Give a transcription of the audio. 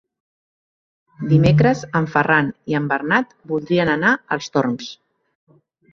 Dimecres en Ferran i en Bernat voldrien anar als Torms.